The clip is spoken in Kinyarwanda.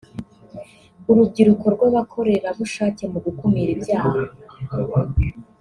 Urubyiruko rw’Abakorerabushake mu gukumira ibyaha